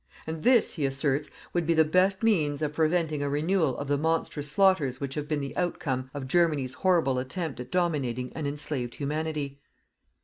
And this, he asserts, would be the best means of preventing a renewal of the monstrous slaughters which have been the outcome of Germany's horrible attempt at dominating an enslaved Humanity.